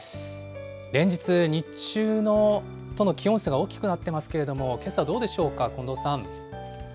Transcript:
連日、日中との気温差が大きくなってますけれども、けさ、どうでしょうか、近藤さん。